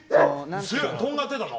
とんがってたの？